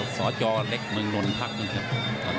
สอยอลเล็กเมืองนนภักดิ์